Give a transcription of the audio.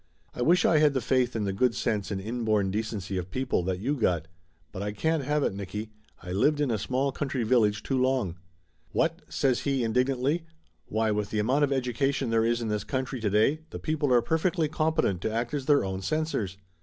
I wish I had the faith in the good sense and inborn decency of people that you got. But I can't have it, Nicky. I lived in a small country village too long." "What?" says he indignantly. "Why, with the amount of education there is in this country to day the people are perfectly competent to act as their own censors."